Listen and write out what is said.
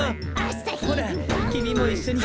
ほらきみもいっしょに。